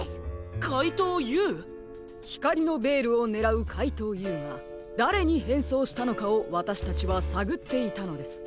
ひかりのベールをねらうかいとうＵがだれにへんそうしたのかをわたしたちはさぐっていたのです。